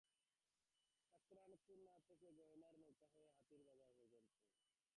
ঠাকরোকোণা থেকে গয়নার নৌক যায় হাতির বাজার পর্যন্ত।